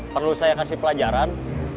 perlu saya kasih pelajaran